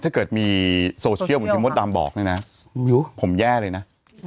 ถ้าเกิดมีโซเชียลมดดามบอกเลยนะผมแย่เลยนะ